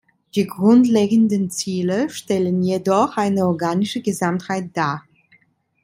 Die grundlegenden Ziele stellen jedoch eine organische Gesamtheit dar.